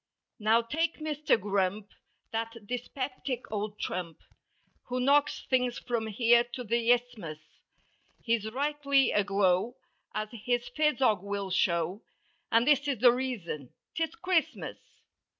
Now take Mister Grump, that dyspeptic old trump. Who knocks things from here to the Isthmus, He's rightly aglow as his phisog will show. And this is the reason: 'Tis Christmas.